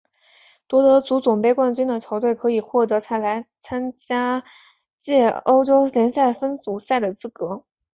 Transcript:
夺得足总杯冠军的球队可以获得参加来届欧洲联赛分组赛的资格。